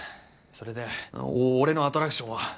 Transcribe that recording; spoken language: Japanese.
それで俺のアトラクションは？